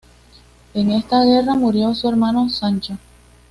En esta guerra murió su hermano Sancho.